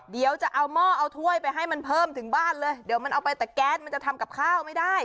เดี๋ยวจะเอาหม้อเอาถ้วยไปให้มันเพิ่มถึงบ้านเลยเดี๋ยวมันเอาไปแต่แก๊สมันจะทำกับข้าวไม่ได้